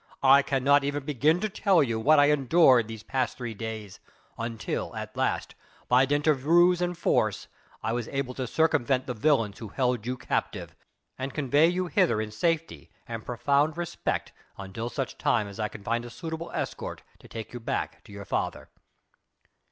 "I cannot even begin to tell you what I endured these past three days, until at last, by dint of ruse and force, I was able to circumvent the villains who held you captive, and convey you hither in safety and profound respect until such time as I can find a suitable escort to take you back to your father."